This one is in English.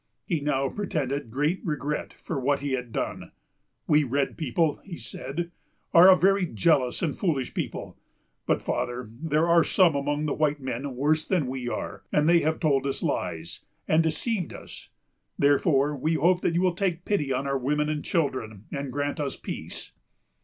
He now pretended great regret for what he had done. "We red people," he said, "are a very jealous and foolish people; but, father, there are some among the white men worse than we are, and they have told us lies, and deceived us. Therefore we hope you will take pity on our women and children, and grant us peace."